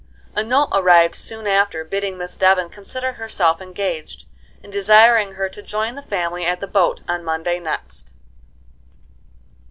A note arrived soon after, bidding Miss Devon consider herself engaged, and desiring her to join the family at the boat on Monday next.